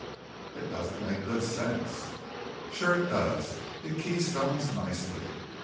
"It doesn't make good sense." "Sure it does. It keystones nicely.